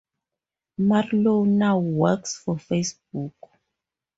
Marlow now works for Facebook.